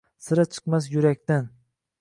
Sira chiqmas yuraqdan.